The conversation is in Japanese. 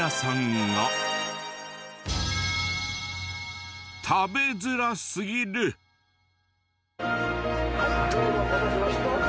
はいどうぞお待たせしました。